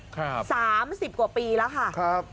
ครับครับสามสิบกว่าปีแล้วค่ะครับ